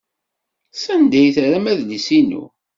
Sanda ay terram adlis-inu?